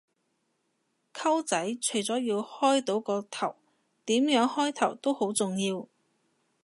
溝仔，除咗要開到個頭，點樣開頭都好重要